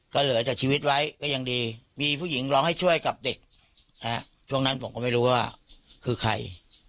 ก็เหลือจากชีวิตไว้ก็ยังดีมีผู้หญิงร้องให้ช่วยกับเด็กช่วงนั้นผมก็ไม่รู้ว่าคือใคร